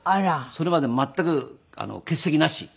それまで全く欠席なし。